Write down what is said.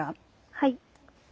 はい。